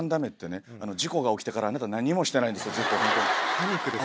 パニックです。